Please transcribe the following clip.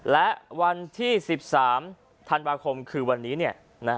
และวันที่๑๓ธันวาคมคือวันนี้